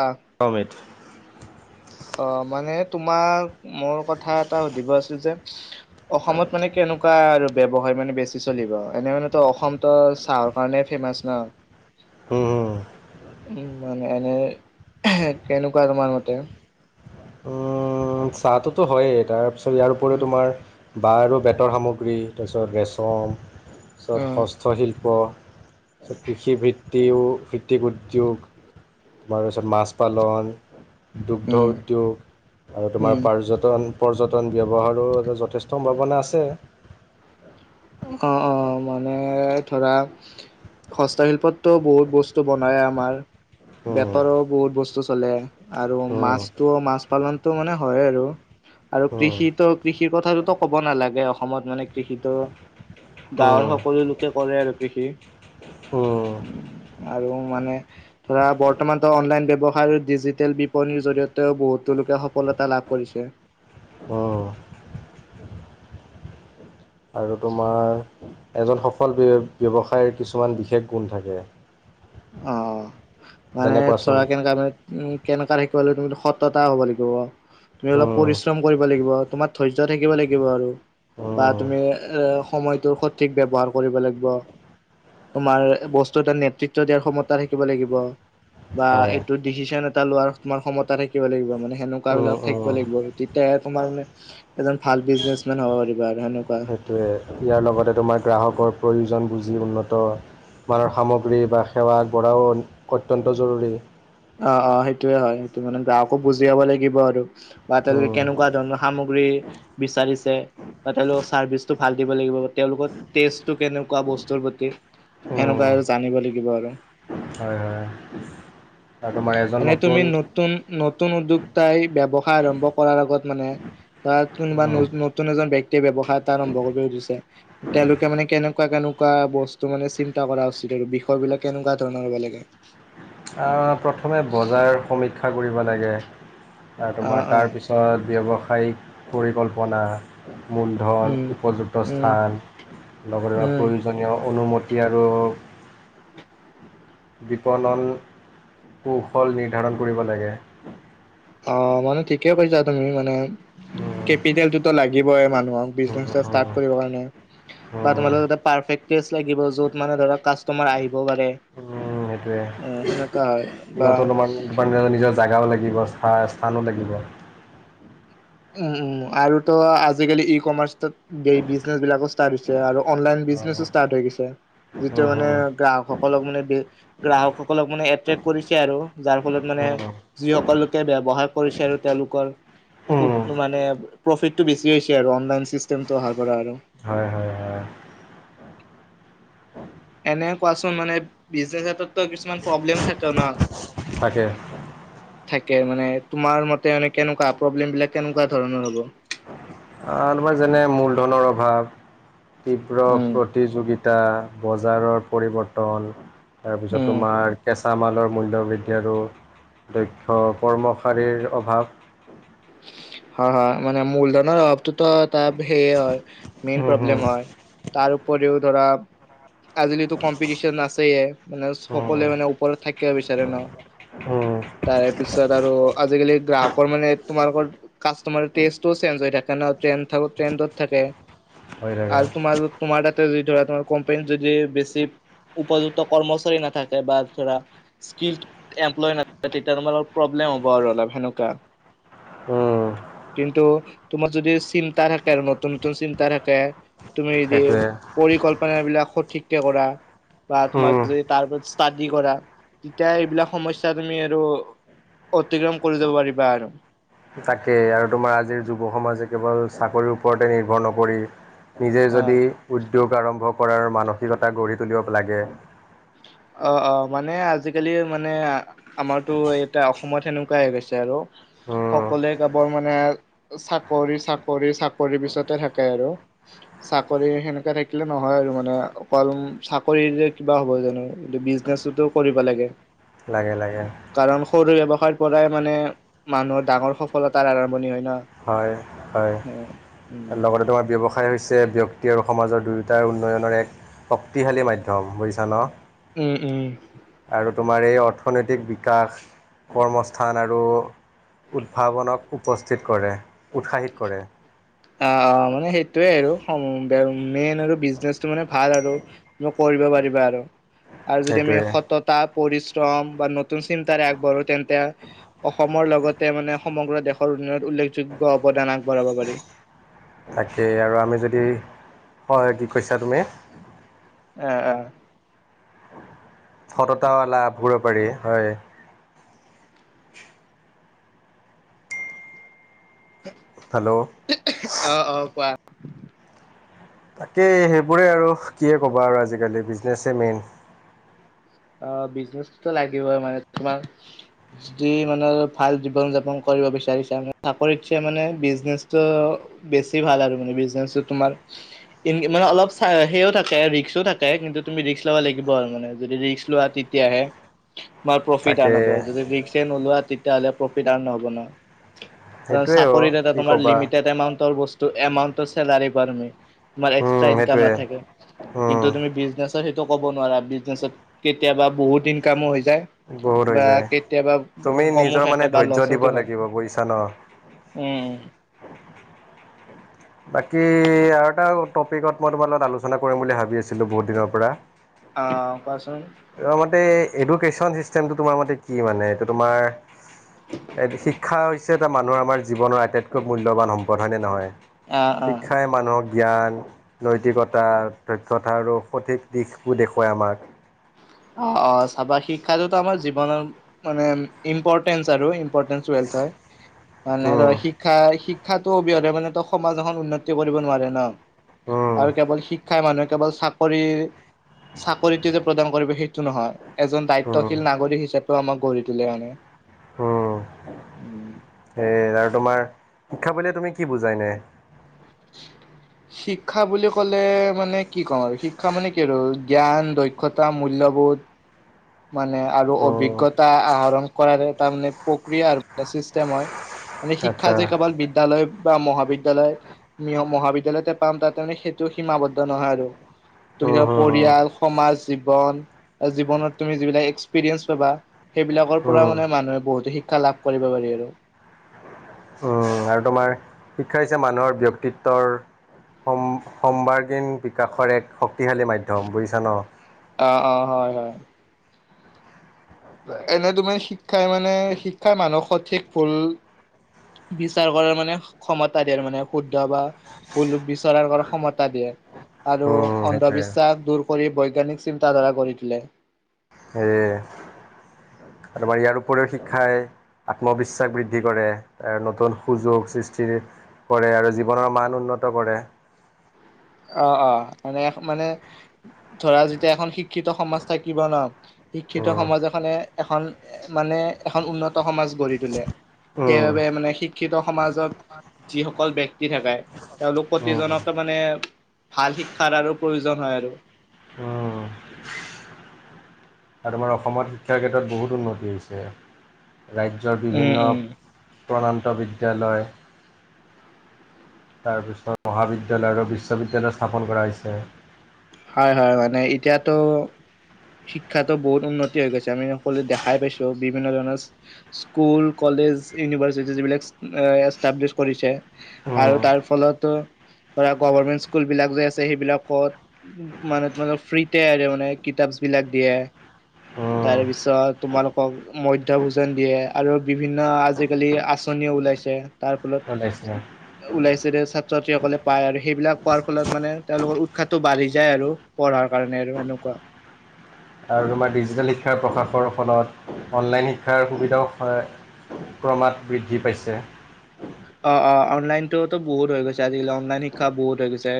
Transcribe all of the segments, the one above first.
আ [unintelligible] অ', মানে তোমাক মোৰ কথা এটা সুধিব আছিল যে। অসমত মানে কেনেক। আৰু ব্যৱসায় মানে বেছি চলিব এনে মানেতো অসমতো চাহৰ কাৰণে ফেমাচ ন'। উম। উম, মানে এনে কেনেকুৱা তোমাৰ মতে? উম, চাহতোতো হয়েই তাৰ পিছত ইয়াৰ উপৰিও তোমাৰ। বাহ আৰু বেতৰ সামগ্ৰী, তাৰপিছত ৰেচম, তাৰপিছত অ হস্তশিল্প। কৃষিভিত্তিও ভিত্তিক উদ্যোগ। তোমাৰ পাছত মাছ পালন, দুগ্ধ উম উদ্যোগ আৰু তোমাৰ উম পাৰ্যটন। পৰ্যটন ব্যৱহাৰো যথেষ্ট সম্ভাৱনা আছে। অ', অ', মানে ধৰা। হস্তশিল্পতটো বহুত বস্তু বনাই আমাৰ। উম, বেপাৰো বহুত বস্তু চলে আৰু উম, মাছটোও মাছ পালনটো মানে হয় আৰু। আৰু উম, কৃষিতো কৃষিৰ কথাটোতো ক'ব নালাগে অসমত মানে কৃষিটো। গাঁৱৰ উম, সকলো লোকে কৰে আৰু কৃষি। উম, আৰু মানে ধৰা বৰ্তমানো অনলাইন ব্য়ৱসায় ডিজিটেল বিপণীৰ জৰিয়তেও বহুত তেওঁলোকে সফলতা লাভ কৰিছে আহ তোমাৰ এজন সফল ব্য ব্যৱসায়ৰ কিছুমান বিশেষ গুণ থাকে অ মানে যেনে কোৱাচোন চৰা কেনেি উ কেনেকা থাকিব লাগ তুমি সতা হ'ব লাগিব তুমি অলপ উম, পৰিশ্ৰম কৰিব লাগিব তোমাৰ ধৰ্য থাকিব লাগিব আৰু বা উম, তুমি এ সময়টোৰ সঠিক ব্য্ৱহাৰ কৰিব লাগিব তোমাৰ বস্তু এটা নেতৃত্ব দিয়াৰ ক্ষমতা থাকিব লাগিব বা হয়। এইটো ডিচিচন এটা লোৱাৰ তোমাৰ ক্ষমতা থাকিব লাগিব মানে সেনেকুৱা উম, বিলাক থাকিব উম, লাগিব তেতিয়া তোমাৰ মানে এজন ভাল বিজনেচমেন হ'ব পাৰিবা আৰু সেনেকুৱা সেইটোৱে ইয়াৰ লগতে তোমাৰ গ্ৰাহকৰ প্ৰয়োজন বুজি উন্নত মানুহৰ সামগ্ৰী বা সেৱা আগবঢ়াও অত্যন্ত জৰুৰী অ অ সেইটোয়ে হয় সেইটো মানে গৱকো বুজিয়াব লাগিব আৰু বা তেওঁলোকে উম, কেনেকুৱা ধৰণৰ সামগ্ৰী বিচাৰিছে বা তেওঁলোকৰ চাৰ্ভিচটো ভাল দিব লাগিব তেওঁলোকৰ েষ্ট কেনেকুৱা বস্তুৰ প্ৰতি উম, সেনেকুৱা আৰু জানিব লাগিব আৰু আ এনে তুমি নতুন নতুন উদ্য তাই ব্য্ৱসায় আৰম্ভ কৰাৰ আগত মানে তাত কোনোবা উম, নতুন এজন ব্য্ক্তিয়ে্ৱসায় এটা আৰম্ভ কৰি উঠিছে তেওঁলোকে মানে কেনেকুৱা কাৰণ কেনেকুৱা বস্তু মানে চিন্তা কৰা উচিত আৰু বিষয়বলাক কেনেকুৱা ধৰণৰব লাগে অ প্ৰথমে বজাৰ সমীক্ষা কৰিব লাগে অ তোমাৰ অ তাৰপিছত ব্য সঠায়িক পৰিকল্পনা মূলধন উম উপযুক্ত উম স্থান লগতে উম প্ৰয়োজনীয় অনুমতি ৰাাকতি আৰু বিপণন কৌশল নিৰ্ধাৰণ কৰিব লাগে অ মানে ঠিকেই কৰিৈছা তুমি মানে কেপিেলতো লাগিবই মানুহ বিনে কৰিব কাৰণে বা তম সেইটোৱে যত মানে কামাৰ আহিব পাৰে এ সেনেকুৱা হয় ত বা ত নিজৰ জোগাও লাগিব স্থানো লাগিব উম উম আৰু তো আজিকালি ই কমাৰ্চত বিজনেচ বিলাকো ষ্টাৰ্ট হৈছে আৰু অনলাইন বিজনেছো ষ্টাৰ্ট হৈ গৈছে উম যিটো মানে হুম গ্ৰাহকসকলক মানে গ্ৰাহকসকলক মানে এট্ৰেক্ট কৰিছে আৰু যাৰ ফলত মানে উম উম যিসকল লোকে ব্য্ৱসায় কৰিছে আৰু তেওঁলোকৰ হয় মান প্ৰফিটটো বেছি হৈছে আৰু অনলাইন চিেমটো অাৰ কৰা আৰু হয় হয় হয় এনে কোৱাচোন মানে বিজনে হাতত কিছুমান প্ৰব্লেম থাকে ন তাকে থাকে মানে তোমাৰ মতে ম কেনেকুৱা প্ৰব্লেম বিলাক কেনেকুৱা ধৰণৰ হ'ব তাৰপাৰ যেনে মূলধনৰ অভাৱ তীব্ৰ উম প্ৰতিযোগিতা বজাৰৰ পৰিৱৰ্তন তাৰপিছত উম তোমাৰ কেঁচামালৰ মূল্য বৃদ্ধি আৰু দক্ষ কৰ্মশাৰীৰ অভাৱ হয় হয় মানে মূলধনৰ অভাৱটোোতো ত সেইয়ে হয় মেইন উম হুম প্ৰব্লেম হয় তাৰ উপৰিও ধৰা আজিলিতো কম্পিটিশন আছেয়ে মানে সকলোৱে উম মানে ওপৰত থাকিব বিচাৰে ন উম তাৰে পিছত আৰু আজিকালি গ্ৰাহকৰ মানে তোমালোক কাষ্টমাৰ চেঞ্জ হৈ থাকে ন থত থাকে হৈ থাকে আৰু তোমাৰ তোমাৰ তাতে যদি ধৰা তোমাৰ কোম্পানী যদি বেছি উপযুক্ত কৰ্মচাৰী নাথাকে বা ধৰা স্ক এমপ্লয় না তেতিয়া হ'ব আৰু অলপ সেনেকুৱা উ কিন্তু তোমাৰ যদি চিন্তা থাকে আৰু নতুন নতুন চিন্তা থাকে তুমি যদি সেইটোৱে পৰিকল্পন বিলাক সঠিককে কৰা বা তোমাৰ উম যদি তাৰৰত ষ্টাডি কৰা তেতিয়া এইবিলাক সমস্া তুমি আৰু অতিক্ৰম কৰি যাব পাৰিবা আৰু তাকেই আৰু তোমাৰ আজিৰ যুৱ সমাজে কেৱল চাকৰিৰ ওপৰতে নিৰ্ভৰ নকৰি নিজে অ যদি উদ্যোগ আৰম্ভ কৰাৰ মানসিকতা গঢ়ি তুলিব লাগে অ অ মানে আজিকালি মানে আমাৰতো এয়া অসমত সেনেকুৱাই হৈ গৈছে আৰু উম, সকলোৱে কবোৰ মানে চাকৰি চাকৰি চাকৰি পিছতে থাকে আৰু চাকৰি সেনেকা থাকিলে নহয় আৰু মানে অকল চাকৰিৰে কিবা হ'ব জানো। কি বিজনেচতো কৰিব লাগে, লাগে লাগে কাৰণ সৰু এ পৰাই মানে মানুহৰ ডাঙৰ সফলতাৰ আৰম্ভণি হয়। ন। হয় হয় লগতে, তোমাৰ ব্যৱসায় হৈছে ব্যক্ত আৰু সমাজৰ দুয়োটাৰ উন্নয়নৰ এক শক্তিশালী মাধ্যম বুজিছা ন'। উম, উম। আৰু তোমাৰ এই অৰ্থনৈতিক বিকাশ কৰ্মস্থান আৰু উদ্ভাৱনক উপস্থিত কৰে উৎসাহিত কৰে। অ', অ', মানে সেইটোয়ে আৰু মেইন আৰু বিজনেচটো মানে ভাল আৰু কৰিব আৰু যদি আমি সেইটোৱে সততা পৰিশ্ৰম বা নতুন চিন্তাৰে আগবাঢ়ো তেন্তে অসমৰ লগতে মানে সমগ্ৰ দেশৰ উন্নয়নত উল্লেখযোগ্য। অৱদান আগবঢ়াব পাৰি। তাকেই আৰু আমি যদি, হয় কি কৈছা তুমি? আহ, আহ। সততা লাভ কৰিব পাৰি হয়। হেল্ল'। অ [inaudible] তাকেই সেইবোৰেই আৰু কিয়ে ক'বা আৰু আজিকালি বিজনেছেই মেইন। অ', বিজনেচো লাগিবই মানে তোমাৰ যদি মানে ভাল জীৱন যাপন কৰে বিছা চাকৰিত মানে বিনেটো বেছি ভাল আৰু মানে বিজনেচ তোমাৰ মানে অলপ চ সেও থাকে ৰিক্সো থাকে কিন্তু তুমি ৰিক্স লব লাগিব আৰু মানে যদি ৰি তেতিয়াহে তোমাৰ প্ৰফিট তাকে আৰ্ন হ'ব য তেতিয়াহ'লে প্ৰফিট আৰু নহ'ব নহয়। সেইটোৱে চাকৰি অ' এটা কি তোমাৰ ক'বা লিমিটেড এমাউন্টৰ বস্তু এমাউন্টৰ চেলাৰি কৰা তুমি তোমাৰ এক্সট্ৰা উম ইনকাম সেইটোৱে নাথাকে উম কিন্তু তুমি বিজনেচত সেইটো ক'ব নোৱাৰা বিজনেছত কেতিয়াবা বহুত ইনকামো হৈ যায়। বহুত হৈ বা যায় কেতিয়াবা তুমি কমো নিজৰ মানে থাকে বা ধৈৰ্য্য দিব লচতো হয়। লাগিব বুজিছা ন উম। বাকী আৰু এটা টপিকত মই তোমাৰ লগত আলোচনা কৰিম বুলি ভাবি আছিলো বহুত দিনৰ পৰা। আহ কোৱাচোন। তোমাৰ মতে এডুকেশ্যন চিষ্টেমটো তোমাৰ মতে কি মানে? এইটো তোমাৰ শিক্ষা হৈছে এটা মানুহৰ আমাৰ জীৱনৰ আটাইতকৈ মূল্যবান সম্পদ হয়নে নহয়। অ শিক্ষাই মানুহক জ্ঞান, নৈতিকতা, দক্ষতা আৰু সঠিক দিশবো দেখুৱায় আমাক। অ', অ, চাবা শিক্ষাটোতো আমাৰ জীৱনৰ মানে ইম্পৰ্টেঞ্চ আৰু। [unintelligible] থ হয় উম শিক্ষা শি শিক্ষাটো অবিহনে মানে তই সমাজ এখন উন্নতি হ'ব দিব নোৱাৰে ন', উম আৰু কেৱল শিক্ষাই মানুহে কেৱল চাকৰি, চাকৰিটো যে প্ৰদান কৰিব টো নহয় এজন উম দায়িত্বশীল নাগৰিক হিচাপেও আমাক গঢ়ি তোলে মানে। হম সেই আৰু তোমাৰ শিক্ষা বুলিলে তুমি কি বুজাই ইনে? শিক্ষা বুলি ক'লে মানে কি ক'ম আৰু শিক্ষা মানে কি আৰু জ্ঞান, দক্ষতা, মূল্যবোধ। মানে আৰু উম অভিজ্ঞতা আহৰণ কৰাৰ তাৰ মানে প্ৰক্ৰিয়াৰ মানে চিষ্টেম হয় মানে শিক্ষা আচ্ছা যে কেৱল বিদ্যালয় বা মহাবিদ বিদ্যালয় নিয়ম মহাবিদ্যালয়তে পাম তাতে মানে সেইটো সীমাবদ্ধ নহয় আৰু তুমি উম হুম হুম পৰিয়াল, সমাজ, জীৱন, জীৱনত তুমি যিবিলাক এক্সপিৰিয়েঞ্চ পাবা, সেইবিলাকৰ পৰা উম মানে মানুহে বহুতো শিক্ষা লাভ কৰিব পাৰি আৰু। উম, আৰু তোমাৰ শিক্ষা হৈছে মানুহৰ ব্যক্তিত্বৰ সম, সম্বাৰ্গীণ বিকাশৰ এক শক্তিশালী মাধ্যম, বুজিছা ন? অ-অ, হয়-হয়। এনে তুমি শিক্ষাই মানে শিক্ষাৰ মানুহ সঠিক ভুল বিচাৰ কৰাৰ মানে ক্ষমতা দিয়া মানে শুদ্ধ বা ভুল বিচাৰৰ কৰাৰ ক্ষমতা দিয়ে। আৰু উম সেইটোৱে অন্ধবিশ্বাস দূৰ কৰি বৈজ্ঞানিক চিন্তাধাৰা গঢ়ি তোলে। হে আৰু তোমাৰ ইয়াৰ উপৰিও শিক্ষাই আত্মবিশ্বাস বৃদ্ধি কৰে, এ নতুন সুযোগ সৃষ্টিৰ কৰে আৰু জীৱনৰ মান উন্নত কৰে। অ', অ', মানে-মানে ধৰা যেতিয়া এখন শিক্ষিত সমাজ থাকিব ন শিক্ষিত উম সমাজ এখনে, এখন মানে এখন উন্নত সমাজ গঢ়ি তোলে। উম সেইবাবে মানে শিক্ষিত সমাজত যিসকল ব্যক্তি থাকে তেওঁলোক উম প্ৰতিজনকে মানে ভাল শিক্ষাৰ আৰু প্ৰয়োজন হয় আৰু উম আমাৰ অসমত শিক্ষাৰ ক্ষেত্ৰত বহুত উন্নতি হৈছে, ৰাজ্যৰ উম, বিভিন্ন উম, প্ৰনন্ত বিদ্যালয়। তাৰপিছত মহাবিদ্যালয় আৰু বিশ্ববিদ্যালয় স্থাপন কৰা হৈছে। হয়-হয় মানে এতিয়াতো শিক্ষাতো বহুত উন্নতি হৈ গৈছে আমি সকলো দেখাই পাইছো বিভিন্ন ধৰণৰ স্কুল, কলেজ জ, ইউনিভাৰ্চিটি যবিলাক এষ্টাব্লিছ কৰিছে আৰু উম তাৰ ফলত ধৰা গভাৰমেন্ট স্কুল বিলাক যে আছে, সেইবিলাকত মানে তোমোক ফ্ৰীতে মানে কিতাপ বিলাক দিয়ে তাৰ উম পিছত তোমালোকক মধ্য ভোজন দিয়ে আৰু বিভিন্ন আজিকালি আচনি ওলাইছে তাৰ ফলত [unintelligible] যেনে ছাত্ৰ-ছাত্ৰীসকলে পায় আৰু সেইবিলাক পোৱাৰ ফলত মানে তেওঁলোকৰ উৎসাহটো বাঢ়ি যায় আৰু পঢ়াৰ কাৰণে। যে এনেকুৱা আৰু তোমাৰ ডিজিটেল শিক্ষাৰ প্ৰকাশৰ ফলত অনলাইন শিক্ষাৰ সুবিধাও হয়। ক্ৰমাৎ বৃদ্ধি পাইছে। অ-অ, অনলাইনতটো বহুত হৈ গৈছে, আজিকালি অনলাইন শিক্ষা বহুত হৈ গৈছে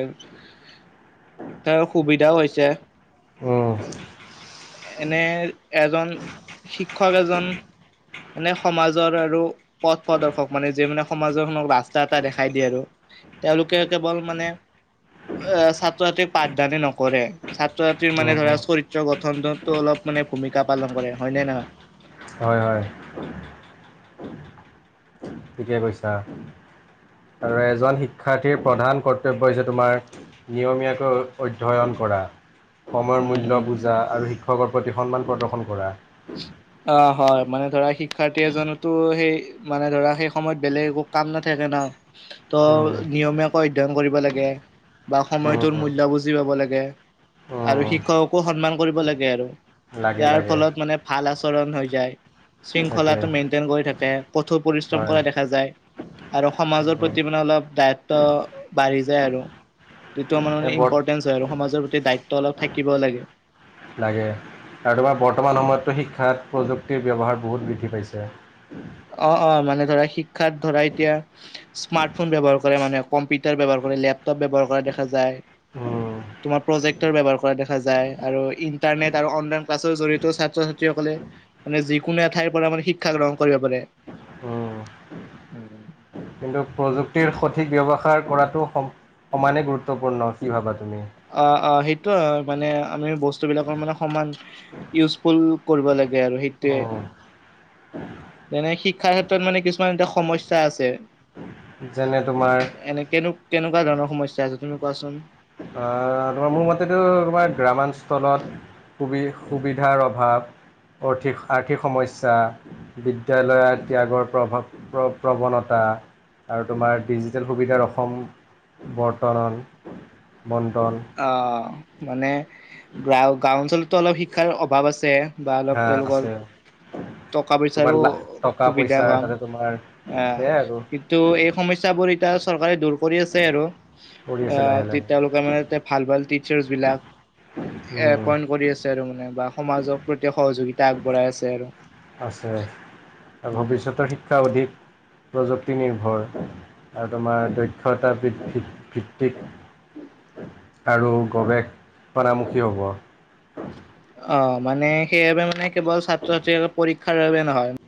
ত, সুবিধাও হৈছে। উম এনে-এজন শিক্ষক এজন মানে সমাজৰ আৰু পথ প্ৰদৰ্শক মানে যিয়ে মানে সমাজৰ ৰাস্তা এটা দেখাই দিয়ে আৰু। তেওঁলোকে কেৱল মানে। আহ, ছাত্ৰ-ছাত্ৰীক পাঠদানে নকৰে ছাত্ৰ- ছাত্ৰীৰ মানে ধৰা উম চৰিত্ৰ গঠনটো অলপ মানে ভূমিকা পালন কৰে হয় নে নহয়? হয়-হয়। থিকে পইছা। আৰু এজন শিক্ষাৰ্থীৰ প্ৰধান কৰ্তব্য হৈছে তোমাৰ নিয়মীয়াকৈ অধ্যয়ন, কৰা, সময়ৰ উম মূল্য উম বুজা আৰু শিক্ষকৰ প্ৰতি সন্মান প্ৰদৰ্শন কৰা। অ', হয়। মানে ধৰা শিক্ষাৰ্থী এজনৰ টো সেই মানে ধৰা সেই সময়ত বেলেগ একো কাম নাথাকে না। টো উম নিয়মীয়াকৈ অধ্যয়ন কৰিব লাগে বা সময়টোৰ মূল্য উম বুজি পাব লাগে। আৰু উম শিক্ষককো সন্মান কৰিব লাগে আৰু- লাগে ইয়াৰ লাগে ফলত মানে ভাল আচৰণ হৈ যায় সেইটোৱে শৃংখলাটো মেইনটেইন কৰি থাকে, কঠোৰ পৰিশ্ৰম হয় কৰা দেখা যায়। আৰু সমাজৰ উম প্ৰতি মানে অলপ দায়িত্ব বাঢ়ি যায় আৰু সেইটো আমাৰ এই মানে বৰ ইম্পৰ্টেঞ্চ হয় আৰু সমাজৰ প্ৰতি দায়িত্ব অলপ থাকিব লাগে। লাগে কাৰোবা বৰ্তমান সময়তো শিক্ষাত প্ৰযুক্তিৰ ব্যৱহাৰ বহুত বৃদ্ধি পাইছে। অ অ মানে ধৰা শিক্ষাত ধৰা এতিয়া স্মাৰ্টফোন ব্যৱহাৰ কৰে মানে কম্পিউটাৰ ব্যৱহাৰ ক - লেপটপ ব্যৱহাৰ কৰা দেখা যায়, উম তোমাৰ প্ৰজেক্টৰ ব্যৱহাৰ কৰা দেখা যায় আৰু ইন্টাৰনেট আৰু অনলাইন ক্লাছৰ জৰিয়তে ছাত্ৰ- ছাত্ৰী ক - কলে মানে যিকোনো এঠাইৰ পৰাও মানে শিক্ষা গ্ৰহণ কৰিব পাৰে। উম কিন্তু [inaudible] প্ৰযুক্তিৰ সঠিক ব্যৱহাৰ কৰাতটো সম সমানে গুৰুত্বপূৰ্ণ কি ভাবা - অ অ সেইট - ত মানে আমি বস্তুবিলাকৰ মানে সমান ইউজফুল কৰিব লাগে আৰু সেইটোৱে। [inaudible] তেনে শিক্ষাৰ ক্ষেত্ৰত মানে কিছুমান এটা সমস্যা আছে। যেনে তোমাৰ- নানা ধৰণৰ সমস্যা যদিও কোৱাচোন। [unintelligible] সুবি সুবিধাৰ অভাৱ, অতিক আৰ্থীক সমস্যা বিদ্যালয়ৰ ত্যাগৰ প্ৰভাৱ প্ৰ প্ৰৱণতা, আৰু তোমাৰ ডিজিটেল সুবিধাৰ অসম বৰ্তনন - অ মানে গ্ৰাও গাওঁ অঞ্চলতো অলপ শিক্ষাৰ অভাৱ আছে। হা আছে [unintelligible] টকা তোমাৰ পইচাৰো লা টকা সুবিধা পইচাৰ পাম তাতে তোমাৰ আহ সেয়াই আৰু কিন্তু এই সমস্যাবোৰে - এয়া চৰকাৰে দূৰ কৰি আছে আৰু কৰি আছে আহ লাহে তি লাহে তেওঁলোকে মানে- ৰয়াল টিচাৰ্ছ বিলাক উম এপইণ্ট কৰি আছোঁ। তেওঁ মানে বা সমাজৰ প্ৰতি সহযোগিতা আগবঢ়াই আছে আৰু আছে ভৱিষ্যতে শিক্ষা অধিক- প্ৰযুক্তি নিৰ্ভৰ আৰু তোমাৰ দক্ষতা বৃতি ভিত্তিত- আৰু গৱেষ চনামুখি হ'ব। অ মানে সেইবাবে মানে কেৱল ছাত্ৰ- ছাত্ৰী আৰু পৰীক্ষাৰ বাবে নহয়।